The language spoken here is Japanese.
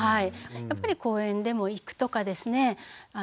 やっぱり公園でも行くとかですね